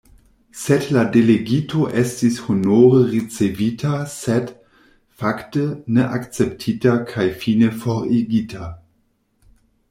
Sed la delegito estis honore ricevita sed, fakte, ne akceptita kaj fine forigita!